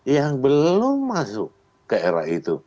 yang belum masuk ke era itu